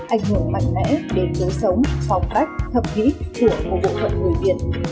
ảnh hưởng mạnh mẽ đến giới sống phong cách thập kỹ của một bộ phận người việt